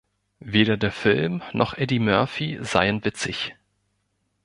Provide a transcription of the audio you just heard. Weder der Film noch Eddie Murphy seien witzig.